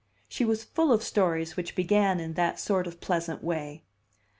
She was full of stories which began in that sort of pleasant way."